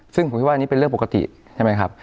ซึ่งผมคิดว่าอันนี้เป็นเรื่องปกติใช่ไหมครับ